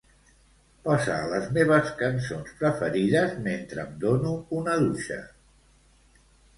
Posa les meves cançons preferides mentre em dono una dutxa.